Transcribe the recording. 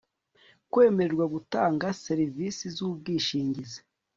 kwemererwa gutanga serivisi z ubwishingizi